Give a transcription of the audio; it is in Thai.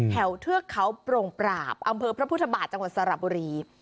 เทือกเขาโปร่งปราบอำเภอพระพุทธบาทจังหวัดสระบุรี